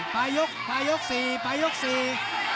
อพระยกสี่พระยกสี่